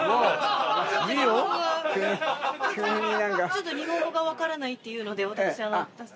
ちょっと日本語が分からないっていうので私。